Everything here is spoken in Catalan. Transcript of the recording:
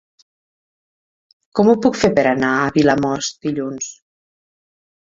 Com ho puc fer per anar a Vilamòs dilluns?